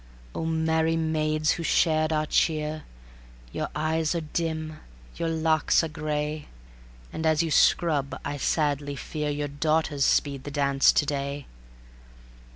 O merry maids who shared our cheer, Your eyes are dim, your locks are gray; And as you scrub I sadly fear Your daughters speed the dance to day.